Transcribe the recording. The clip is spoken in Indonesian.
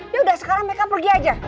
yaudah sekarang mereka pergi aja